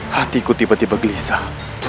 hatiku tiba tiba gelisah